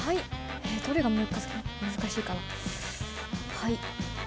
どれが難しいかな。